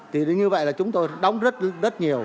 thì như vậy là chúng tôi đóng rất nhiều